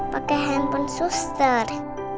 pakai handphone suster